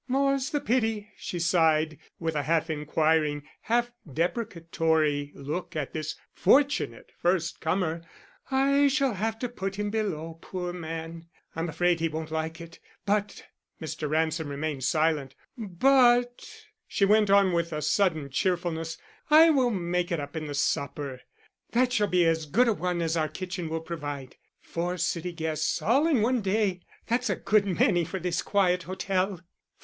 "More's the pity," she sighed, with a half inquiring, half deprecatory look at this fortunate first comer. "I shall have to put him below, poor man. I'm afraid he won't like it, but " Mr. Ransom remained silent. "But," she went on with sudden cheerfulness, "I will make it up in the supper. That shall be as good a one as our kitchen will provide. Four city guests all in one day! That's a good many for this quiet hotel."